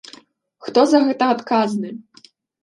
Хто за гэта адказны?